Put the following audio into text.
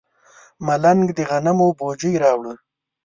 ملنګ د غنمو بوجۍ راوړه.